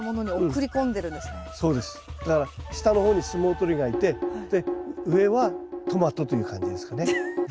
だから下の方に相撲取りがいてで上はトマトという感じですかね。